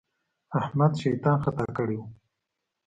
احمد شيطان خطا کړی وو.